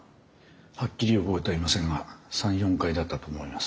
はっきり覚えていませんが３４回だったと思います。